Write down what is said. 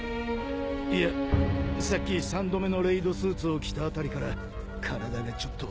いやさっき３度目のレイドスーツを着たあたりから体がちょっと。